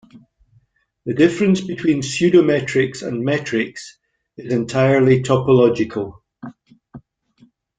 The difference between pseudometrics and metrics is entirely topological.